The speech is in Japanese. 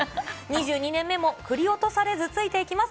２２年目も振り落とされず、ついていきます！